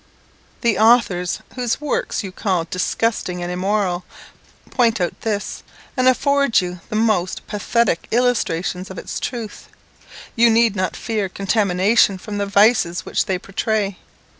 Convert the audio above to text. The authors, whose works you call disgusting and immoral, point out this, and afford you the most pathetic illustrations of its truth. You need not fear contamination from the vices which they portray.